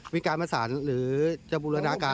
วิกาลมาสารหรือหรือจะบูรณาการ